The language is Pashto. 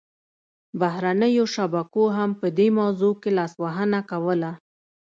بهرنیو شبکو هم په دې موضوع کې لاسوهنه کوله